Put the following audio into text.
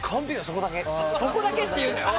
そこだけって言うなよ。